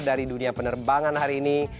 dari dunia penerbangan hari ini